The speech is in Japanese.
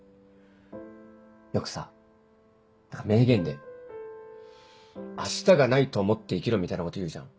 よくさ名言で「明日がないと思って生きろ」みたいなこと言うじゃん。